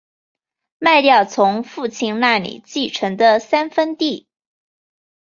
卖掉从父亲那里继承的三分地